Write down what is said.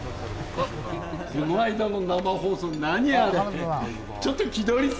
この間の生放送、何あれ？